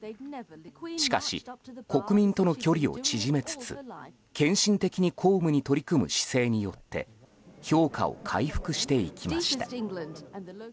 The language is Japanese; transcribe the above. しかし、国民との距離を縮めつつ献身的に公務に取り組む姿勢によって評価を回復していきました。